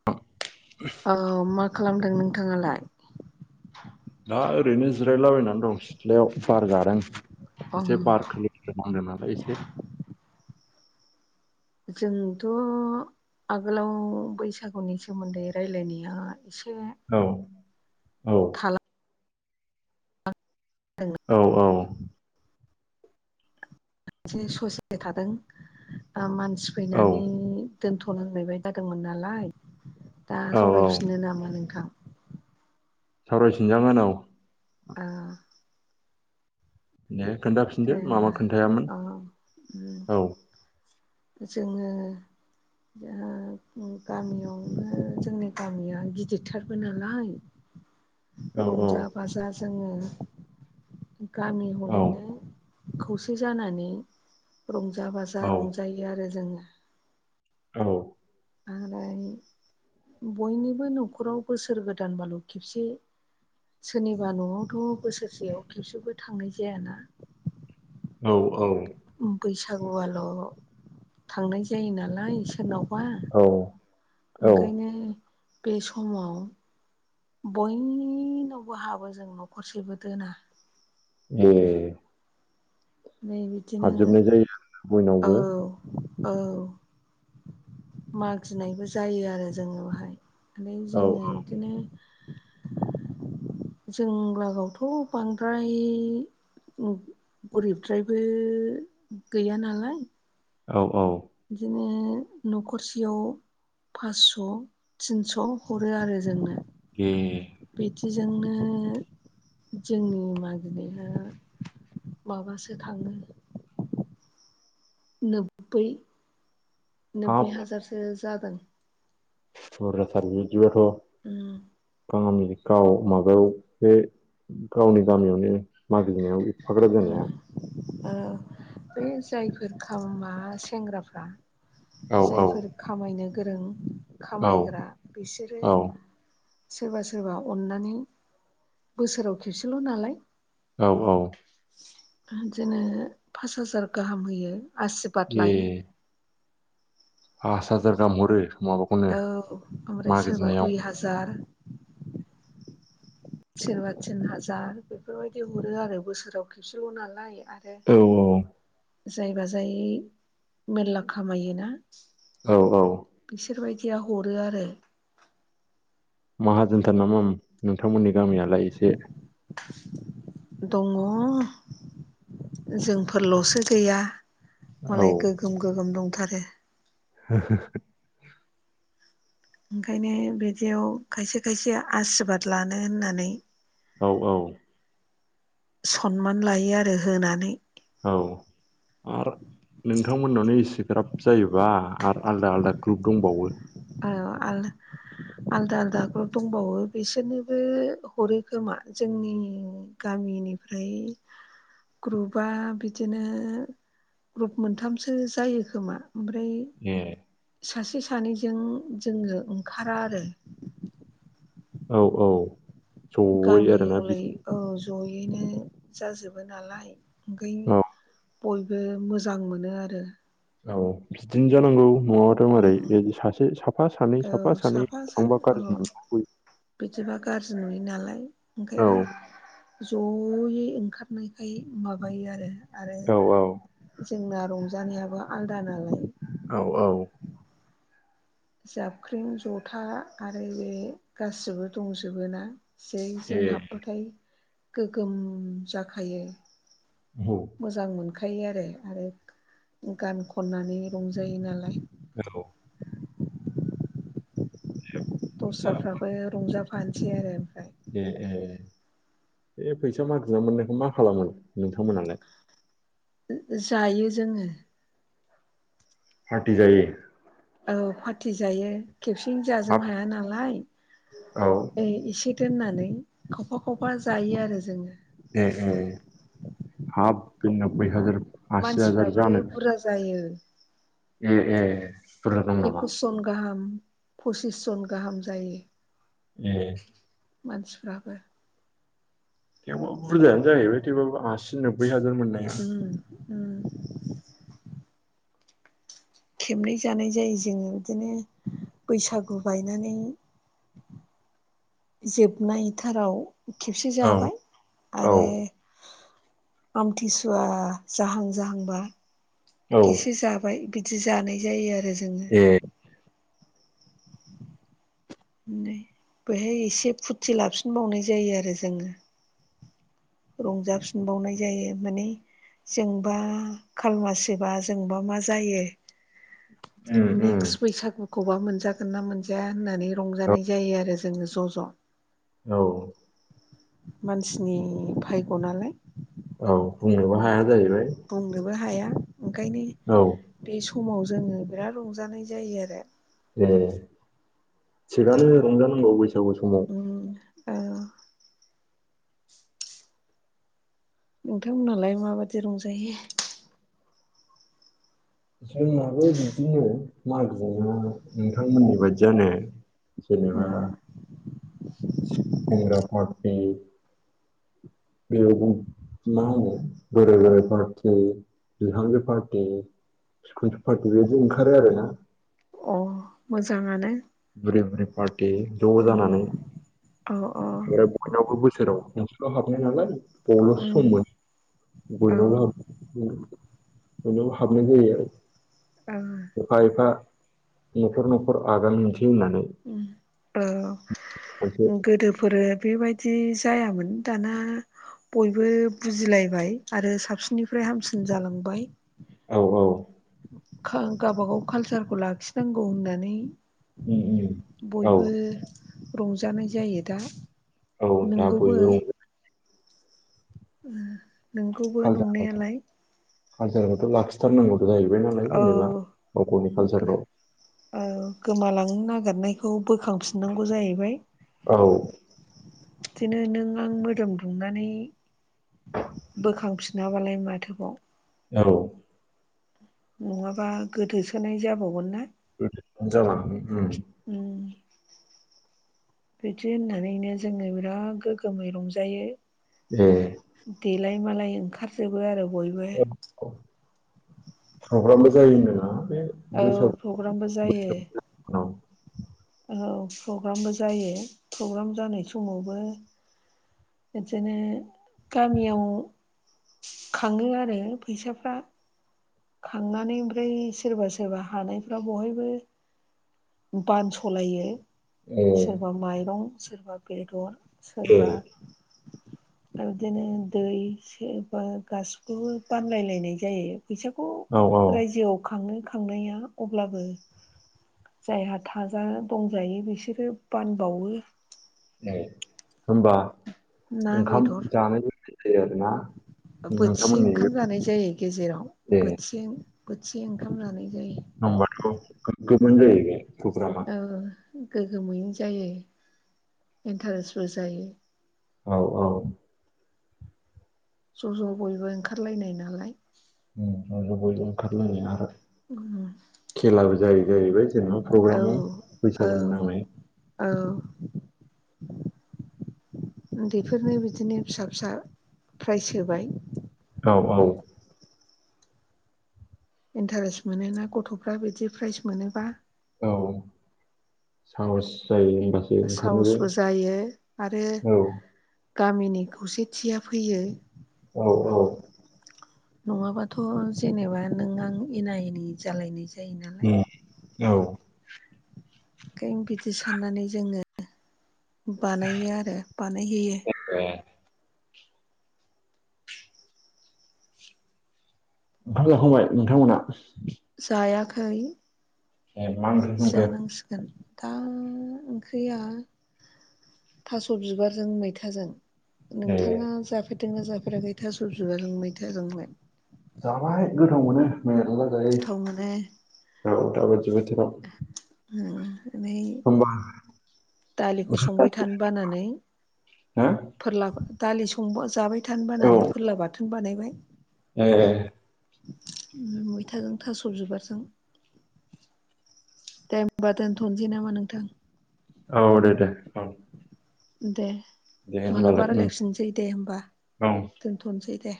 [inaudible] औ मा खालामदों नोंथाङालाय दा ओरैनो जिरायलाबायनानै दं सिथ्लायाव बारादों अ एसे बार खै ज ज नालाय एसे जोंथ' आगोलाव बैसागुनि सोमोन्दै रायज्लायनाया एसे औ औ थाला [unintelligible] औ औ एसे ससे थादों मानसि औ फैनानै दोनथ'नांलनायबाय जादोंमोन नालाय दा औ औ सावरायफिनो नामा नोंथां सावराय सिनजागानाव ओ औ दे दे खोन्थाफिनदो मामा होमबा खोन्थायामोन औ औ जोङो गामियावनो जोंनि गामिया गिदिरथारबो नालाय [inaudible] औ रंजा बाजा जोङो गामि औ हलैनो खौसे जानानै रंजा बाजा औ रंजायो आरो जोङो औ आरो बयनिबो न'खराव बोसोर गोदानबाल' खेबसे सोरनिबा न'आवथ' बोसोरसेयाव खेबसेबो थांनाय जायाना। औ औ ओम बैसागुआल' थांनाय जायो नालाय सोरनाव [unintelligible] औ ओंखायनो बे समाव बयनावबो हाबो जों न'खरसेबो दोना। ए नै बि हाबजोबनाय जायो बयनावबो औ औ मागिनायबो जायो आरो जोंङो बेहाय। फ्राय जोंङो [inaudible] जों लागावथ बांद्राय उ गरिबद्रायबो गैया नालाय औ औ बिदिनो नखरसेयाव फासस थिनस हरो आरो जोंनो। ए बिदिजोंनो जोंनि मागिनाया माबासो थाङो हाब नोब्बै हाजारसो जादों। बुरजाथार बिदिबाथ उ बामि गाव माबायाव बे गावनि गामियावनो मागिनायाव एफाग्राब जानाया ओ बे जायफोर खा सेंग्राफ्रा औ औ जायफोर खामायनो गोरों औ खामायग्रा बिसोरो औ सोरबा सोरबा अननानै बोसोराव खेबसेल नालाय औ औ बिदिनो पास हाजार गाहाम होयो आसशिरबाद ए लायो। पास हाजार गाहाम हरो माबाखौनो औ ओमफ्राय सोरबा मागिनायाव दुइ हाजार सोरबा तिन हाजार बेफोरबायदि हरो आरो बोसोराव खेबसेल नालाय। आरो औ जायबा जायै मेरला खामायोना औ औ बिसोरबायदिया हरो आरो माहाजोनथार नामा नोंथांमोननि गामियालाय एसे? दङ जोंफोरलसो गैया औ मालाय गो दो गोगोम दंथारो हो-हो ओंखायनो बिदियाव खायसे खायसे आसिरबाद लानो होननानै औ औ सनमान लायो आरो होनानै औ आरो नोंथांमोननावनो एसे ग्राब जायोबा आरो आलदा आलादा ग्रुप दंबावो औ आ आलदा आलदा ग्रुप दंबावो बिसोरनोबो हरो खोमा जोंनि गामिनिफ्राय ग्रुपआ बिदिनो ग्रुप मोनथामसो जायो खोमा ओमफ्राय ए। सासे सानैजों जोङो ओंखारा आरो। औ औ जयै गामि आरोना हलै औ जयैनो जाजोबो नालाय ओंखाय औ बयबो मोजां मोनो आरो। औ बिदिनो जानांगौ [unintelligible] दं ओरै बे सासे साफा सानै औ साफा सानै सानै थांबा औ गाज्रि [unintelligible] बिदिबा गाज्रि नुयो नालाय बयबो औ ओंखायनो जयै ओंखारनायखाय माबायो आरो आरो औ औ जोंना रंजानायाबो आलदा नालाय औ औ। जाबख्रिं जथा आरो बे गासिबो दंजोबो ना। जै जों ए हाबबाथाय गोगोम जाखायो। औ। मोजां मोनखायो आरो आरो गान खननानै रंजायो नालाय। औ। फैसा दस्राफ्राबो रंजाफानोसै आरो ओमफ्राय। ए ए बे फैसा मागिना मोननायखौ मा खालामो नोंथांमोनालाय? जायो जोङो। पार्टि जायो। औ पार्टि जायो खेबसेनो हाब जाजोब हाया नालाय औ एसे दोननानै खावफा खावफा जायो आरो जोङो। ए ए हाब बे खावफा नोबैइ खावफा हाजार आसि हाजार मानसिफ्राबो जानो बुरजा जायो। ए ए। बुरजा दं नामा एकस जन गाहाम पसिस जन गाहाम जायो। ए। मानसिफ्राबो। थेवबाबो बुरजायानो जाहैबाय थेवबाबो आसि नोब्बै हाजार मोननाय। उम उम। खेबनै जानाय जायो जोङो बिदिनो बैसागु बायनानै जोबनायथाराव खेबसे औ जाबाय औ आरो आमथिसुवा जाहां जाहांबा औ खेसे जाबाय बिदि जानाय जायो आरो जों। ए बेहाय एसे फुथि लाफिनबावनाय जायो आरो जोङो। रंजाफिनबावनाय जायो माने जोंबा खाल मासिबा जोंबा मा जायो। उम उम नेक्स बैसागुखौबा मोनजागोन ना मोनजाया होननानै रंजानाय जायो आरो। जों ज ज। औ। मानसिनि भायग' नालाय। औ बुंनोबो हाया जाहैबाय। बुंनोबो हाया ओंखायनो। औ। बे समाव जोङो बिराद रंजानाय जायो आरो। ए थिगानो रंजानांगौ बैसागु समाव। [unintelligible] नोंथांमोनहालाय माबायदि रंजायो। जोंहाबो बिदिनो मागोया नोंथांमोननि बायदियानो। उम जेनेबा [unintelligible] बेयाव मा होनो बोराय बोराय पार्टि बिहामजो पार्टि खुनजु पार्टि बो बिदि ओंखारो आरो ना? अ मोजाङानो बोराय बुरि पार्टि ज' उम जानानै औ औ बयनावबो बोसोराव मोनसेल' हाबनाय नालाय बबेबा उम सममोन औ बयनावबो हाब उम बयनावबो हाबनाय जायो आरो आ एफा एफा न'खर न'खर आगान मोनसै होननानै उम खनसे ओ गोदोफोरो बेबायद दि जायामोन दाना बयबो बुजिलायबाय आरो साबसिननिफ्राय हामसिन जालांबाय औ औ खा गावबा गाव खालसारखौ लाखिनांगौ होननानै उम उम औ बयबो रंजानाय जायो दा औ दा नोंगौबो बयबो रंजा ओ नोंगौबो नंनायालाय खालसारखौथ' लाखिथारनांगौथ' जाहैबाय नालाय औ जेनेबा गाव गावनि कालसारखौ औ गोमालांनो नागिरनायखौ बोखांफिननांगौ जाहैबाय औ दिनो नों आं मोदोम दुंनानै बोखांफिनाबालाय माथोबाव औ नङाबा गोदोसोनाय जाबावगोन ना बिदिनो जालाङो उम उम बिदि होननानैनो जोङो बिराद गोगोमै रंजायो उम देलाय मालाय ओंखारजोबो आरो बयबो औ अ फ्रग्रामबो जायो होनदों ना बे औ फग्रामबो जायो औ औ प्रग्रामबो जायो प्रग्राम जानाय समावबो बिदिनो गामियाव खाङो आरो फैसाफ्रा खांनानै ओमफ्राय सोरबा सोरबा हानायफ्रा बहायबो बानसलायो उम बा माइरं सोरबा बेदर ए सोरबा [inaudible] आरदिनो दै सेबा गासिखौबो बानलायलायनाय जायो फैसा खौ औ औ रायजोआव खाङो खांनाया अब्लाबो जायहा थाजा दंजायो बिसोरो बानबावो ए होमबा ना ओंखाम जानायबो जायो आरोना? ओ बोथिसे नोंथांमोननि बे ओंखाम जानाय जायो गेजेराव ए बोथिसे बोथिसे ओंखाम जानाय जायो होमबाथ गोग्गोमानो जायो बे फ्रग्रामआ ओ गोग्गोमैयैनो जायो इन्टारेस्टबो जायो औ औ ज' ज' बयबो ओंखारलायनाय नालाय उम ज ज' बयबो ओंखारलायनाय आरो खेलाबो जायो जाहैबाय जेनेबा औ प्रग्रामाव बैसागुनि नामै औ उन्दैफोरनो बिदिनो फिसा - फिसा फ्राइज होबाय। औ- औ। इन्टारेस्ट मोनोना गथ'फ्रा बिदि प्राइज मोनोबा। औ साहस जायो होनबासो। ओंखारनोबो साहसबो जायो आरो औ गामिनि खौसेथिया फैयो। औ -औ। नङाबाथ' जेनेबा नों आं एना एनि जालायनाय जायो नालाय उम औ। ओंखायनो बिदि साननानै जोङो बानायो आरो बानायहैयो। [unintelligible] ओंखाम जाखांबाय नोंथांमोना। जायाखै ए मा ओंख्रि संखो जानांसिगोन। दा ओंख्रिया थास' बिबारजों मैथाजों। ए नोंथाङा जाफेरदोंना जाफेराखै थास' बिबारजों मैथाजोंलाय। जाबाय गोथाव मोनो मेर्ला जायो गोथाव मोनो दा दाबायदि बोथोराव। बेओमफ्राय होमबा [unintelligible] दालिखौ संबाय थानो बानानै हो फोरला दालि संबा जाबाय थानो औ बानानै फोरला बाथोन बानायबाय। ए। मैथाजों थास' बिबारजों दे होनोमबा दोनथ'नोसै नामा नोंथां। औ दे दे औ। दे दे होमबालाय मालाबा उम रायलायफिनसै दे होमबा औ दोनथ'नोसै दे।